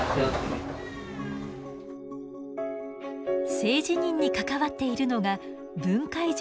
性自認に関わっているのが分界条